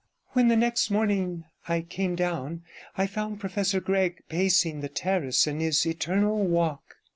When the next morning I came down, I found Professor Gregg pacing the terrace in his eternal walk.